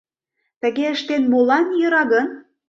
Тыге ыштен, молан йӧра гын?